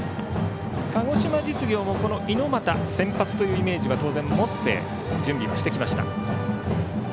鹿児島実業もこの猪俣が先発というイメージを当然、持って準備をしてきました。